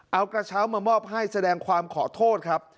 เอากระเช้ามามอบให้แสดงความขอโทษครับ